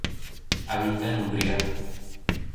Habita en Hungría.